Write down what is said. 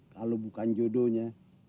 kalo bukan jodohnya